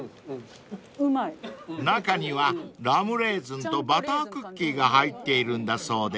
［中にはラムレーズンとバタークッキーが入っているんだそうです］